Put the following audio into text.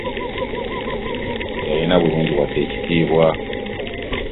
Teyalina bulungi wadde ekitiibwa.